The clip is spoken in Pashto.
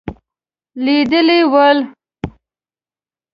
لیدلي ول.